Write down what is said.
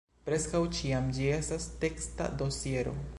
Preskaŭ ĉiam ĝi estas teksta dosiero.